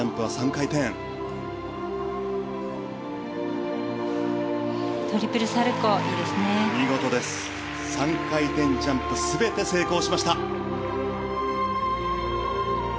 ３回転ジャンプ全て成功しました。